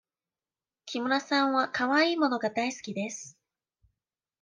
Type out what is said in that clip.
木村さんはかわいい物が大好きです。